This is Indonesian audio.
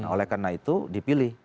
oleh karena itu dipilih